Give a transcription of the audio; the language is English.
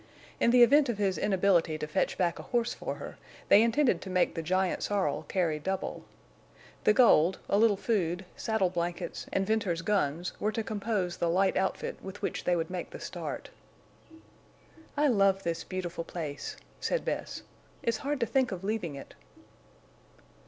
In the event of his inability to fetch back a horse for her, they intended to make the giant sorrel carry double. The gold, a little food, saddle blankets, and Venters's guns were to compose the light outfit with which they would make the start. "I love this beautiful place," said Bess. "It's hard to think of leaving it."